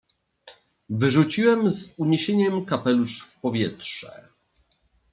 "Wyrzuciłem z uniesieniem kapelusz w powietrze."